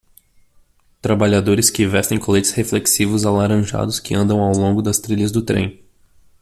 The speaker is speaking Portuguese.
Trabalhadores que vestem coletes reflexivos alaranjados que andam ao longo das trilhas do trem.